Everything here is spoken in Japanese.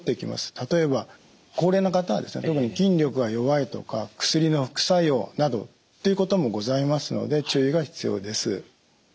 例えば高齢の方は特に筋力が弱いとか薬の副作用などということもございますので注意が必要です。